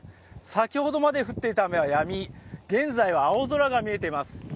先ほどまで降っていた雨はやみ、現在は青空が見えています。